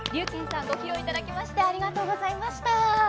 劉妍さんご披露いただきましてありがとうございました。